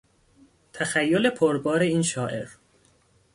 تخیل پربار این شاعر